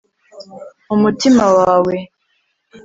mu mutima wawe